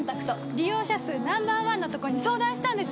利用者数ナンバー１のとこに相談したんです。